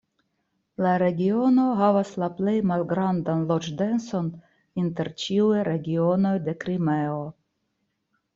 La regiono havas la plej malgrandan loĝ-denson inter ĉiuj regionoj de Krimeo.